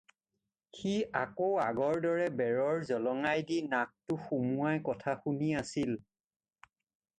সি আকৌ আগৰ দৰে বেৰৰ জলঙাইদি নাকটো সুমাই কথা শুনি আছিল।